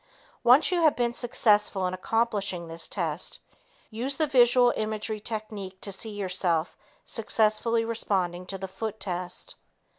Once you have been successful in accomplishing this test, use the visual imagery technique to see yourself successfully responding to the foot test.